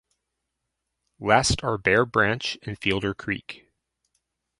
Last are Bear Branch and Fielder Creek.